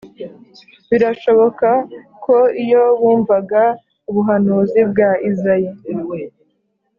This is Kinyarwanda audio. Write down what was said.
birashoboka ko iyo bumvaga ubuhanuzi bwa izayi